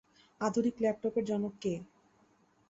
আধুনিক ল্যাপটপের জনক কে?